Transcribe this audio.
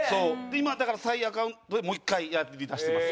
今だから再アカウントでもう一回やりだしてます。